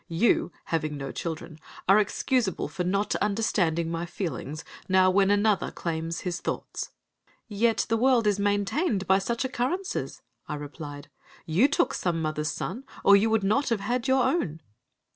You, having no children, are excusable for not understanding my feelings, now when another claims his thoughts." "Yet the world is maintained by such occurrences," I replied. "You took some mother's son, or you would not have had your own."